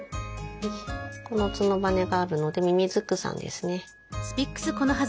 この角羽があるのでミミズクさんですね。